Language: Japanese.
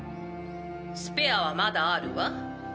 スペアはまだあるわ。